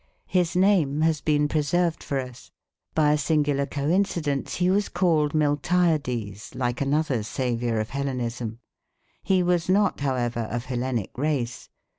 His name has been preserved for us. By a singular coincidence he was called Miltiades, like another saviour of Hellenism. He was not, however, of Hellenic race.